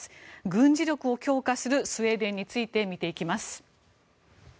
軍事力を強化するスウェーデンについて見ていきます。